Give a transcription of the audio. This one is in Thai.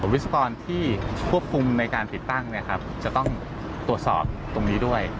วิศกรที่ควบคุมในการติดตั้งจะต้องตรวจสอบตรงนี้ด้วย